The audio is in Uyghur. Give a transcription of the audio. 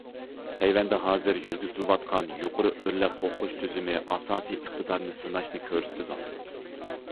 تەيۋەندە ھازىر يۈرگۈزۈلۈۋاتقان يۇقىرى ئۆرلەپ ئوقۇش تۈزۈمى ئاساسىي ئىقتىدارنى سىناشنى كۆرسىتىدۇ.